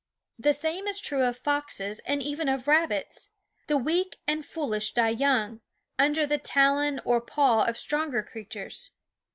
The same is true of foxes, and even of rabbits. The weak and foolish die young, under the talon or paw of stronger creatures.